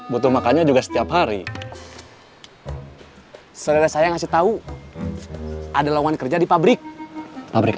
butuh makannya juga setiap hari saudara saya ngasih tahu ada lawan kerja di pabrik pabrik